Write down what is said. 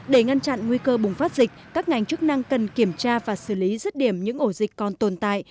để ngăn chặn nguy cơ bùng phát dịch các ngành chức năng cần kiểm tra và xử lý rứt điểm những ổ dịch còn tồn tại